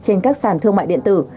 trên các sản thương mại điện tử